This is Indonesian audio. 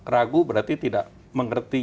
ragu berarti tidak mengerti